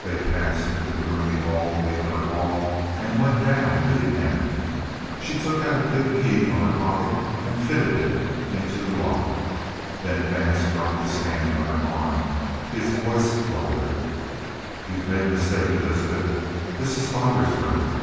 They passed into the roomy vault of the upper hall and went down to the end. She took out a big key from her pocket and fitted it into the lock; then Vance dropped his hand on her arm. His voice lowered. "You've made a mistake, Elizabeth. This is Father's room."